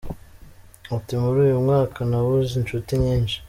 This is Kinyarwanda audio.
Ati "Muri uyu mwaka nabuze Inshuti nyinshi.